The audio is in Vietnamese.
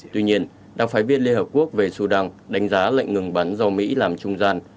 tuy nhiên đặc phái viên liên hợp quốc về sudan đánh giá lệnh ngừng bắn do mỹ làm trung gian